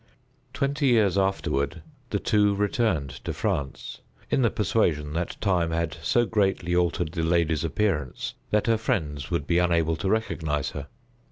Twenty years afterward, the two returned to France, in the persuasion that time had so greatly altered the lady's appearance that her friends would be unable to recognize her.